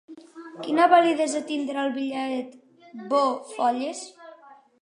Quina validesa tindrà el bitllet 'bo-Falles'?